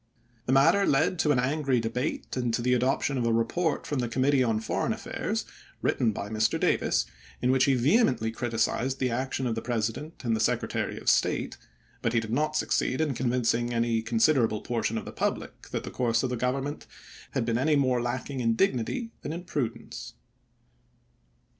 The matter led to an angry debate and to the adop tion of a report from the Committee on Foreign Affairs, written by Mr. Davis, in which he vehe mently criticized the action of the President and the Secretary of State ; but he did not succeed in convincing any considerable portion of the public that the course of the Government had been any more lacking in dignity than in prudence.